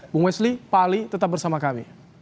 bung wesli pak ali tetap bersama kami